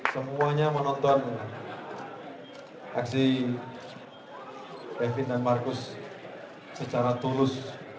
semuanya menonton aksi david dan marcus secara tulus